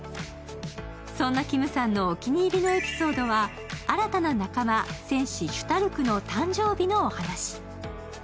そんな、きむさんのお気に入りのエピソードは新たな仲間、戦士・シュタルクの誕生日のお話。